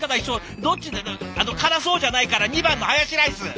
どっち辛そうじゃないから２番のハヤシライス！